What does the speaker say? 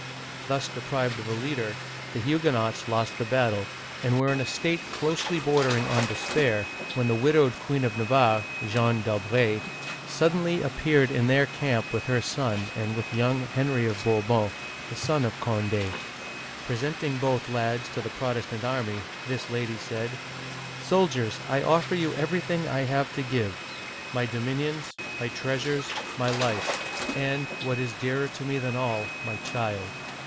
Thus deprived of a leader, the Huguenots lost the battle, and were in a state closely bordering on despair, when the widowed Queen of Navarre (Jeanne d*Albret) suddenly appeared in their camp with her son and with young Henry of Bourbon, the son of Cond6. Presenting both lads to the Protestant army, this lady said: "Soldiers, I offer you everything I have to give — my dominions, my treasures, my life, and, what is dearer to me than all, my child.